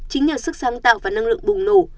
chính nhờ sức sáng tạo và năng lượng bùng nổ